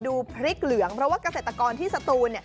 ดูพริกเหลืองเพราะว่ากระเศรษฐกรที่สตูน